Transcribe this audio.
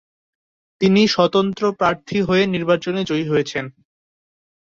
তিনি স্বতন্ত্র প্রার্থী হয়ে নির্বাচনে জয়ী হয়েছেন।